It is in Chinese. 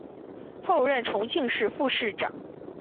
后任重庆市副市长。